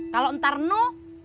kalau ntar nu